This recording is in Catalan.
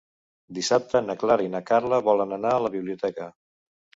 Dissabte na Clara i na Carla volen anar a la biblioteca.